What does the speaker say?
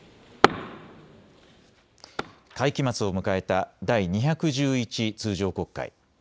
会期末を迎えた第２１１通常国会。